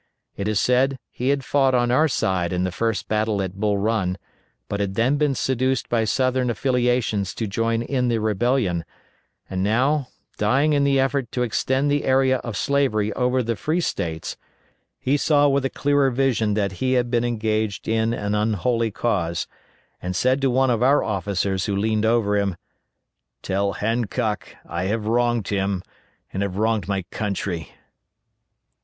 It is said he had fought on our side in the first battle at Bull Run, but had been seduced by Southern affiliations to join in the rebellion; and now, dying in the effort to extend the area of slavery over the free States, he saw with a clearer vision that he had been engaged in an unholy cause, and said to one of our officers who leaned over him: "Tell Hancock I have wronged him and have wronged my country."